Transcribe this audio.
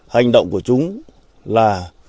hành động của chúng là